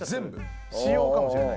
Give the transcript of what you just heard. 仕様かもしれない。